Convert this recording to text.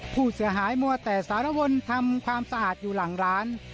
ผู้เสียหายมัวแต่สารวนทำความสะอาดอยู่หลังร้าน